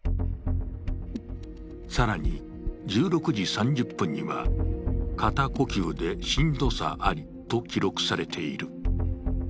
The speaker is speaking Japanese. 更に１６時３０分には肩呼吸でしんどさありと記録されている。